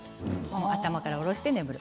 頭から下ろして眠る。